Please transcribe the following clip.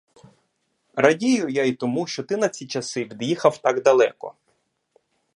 Радію я й тому, що ти на ці часи від'їхав так далеко.